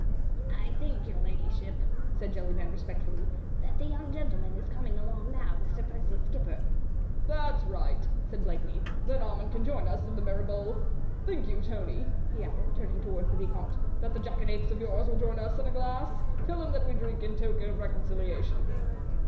"I think, your ladyship," said Jellyband, respectfully, "that the young gentleman is coming along now with Sir Percy's skipper." "That's right," said Blakeney, "then Armand can join us in the merry bowl. Think you, Tony," he added, turning towards the Vicomte, "that that jackanapes of yours will join us in a glass? Tell him that we drink in token of reconciliation."